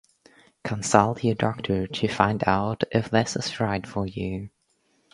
Consult your doctor to find out if this is right for you.